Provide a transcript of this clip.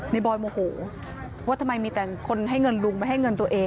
บอยโมโหว่าทำไมมีแต่คนให้เงินลุงไม่ให้เงินตัวเอง